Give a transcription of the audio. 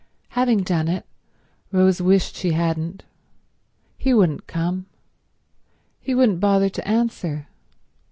Having done it, Rose wished she hadn't. He wouldn't come. He wouldn't bother to answer.